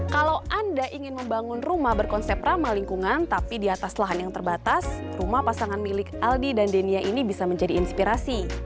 kalau anda ingin membangun rumah berkonsep ramah lingkungan tapi di atas lahan yang terbatas rumah pasangan milik aldi dan denia ini bisa menjadi inspirasi